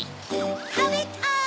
たべたい！